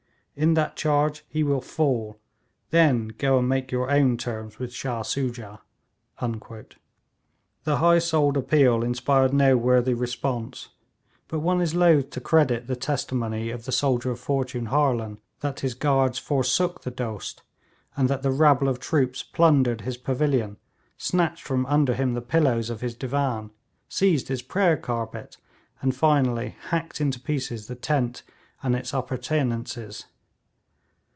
In that charge he will fall; then go and make your own terms with Shah Soojah.' The high souled appeal inspired no worthy response; but one is loth to credit the testimony of the soldier of fortune Harlan that his guards forsook the Dost, and that the rabble of troops plundered his pavilion, snatched from under him the pillows of his divan, seized his prayer carpet, and finally hacked into pieces the tent and its appurtenances.